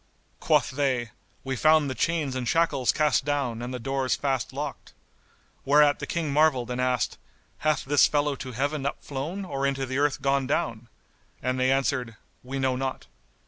Quoth they, "We found the chains and shackles cast down and the doors fast locked." Whereat the King marvelled and asked, "Hath this fellow to Heaven up flown or into the earth gone down?;" and they answered, "We know not."